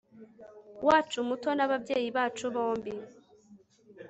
wacu muto nababyeyi bacu bombi